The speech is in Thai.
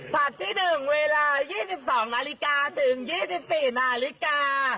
ปัจจุดหนึ่งเวลา๒๒นาฬิกาถึง๒๔นาฬิกา